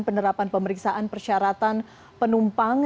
penerapan pemeriksaan persyaratan penumpang